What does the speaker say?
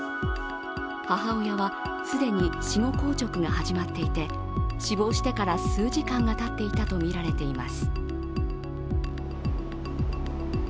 母親は既に死後硬直が始まっていて死亡してから数時間がたっていたとみられています。